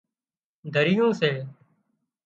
دريون سي